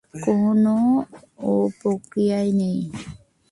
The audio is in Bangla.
কোনও প্রতিক্রিয়াই নেই?